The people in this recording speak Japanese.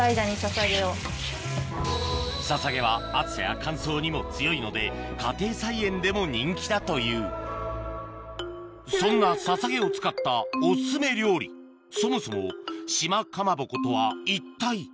ササゲは暑さや乾燥にも強いので家庭菜園でも人気だというそんなササゲを使ったお薦め料理そもそも島かまぼことは一体？